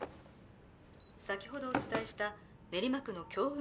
先ほどお伝えした練馬区の京運